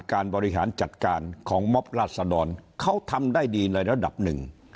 การบริหารจัดการของมอบราศดรเขาทำได้ดีในระดับหนึ่ง